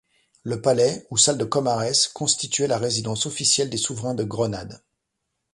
Le palais ou salle de Comares constituait la résidence officielle des souverains de Grenade.